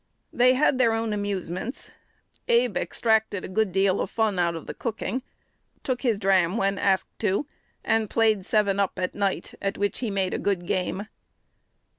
They had their own amusements. Abe extracted a good deal of fun out of the cooking; took his "dram" when asked to, and played "seven up" at night, at which he made "a good game."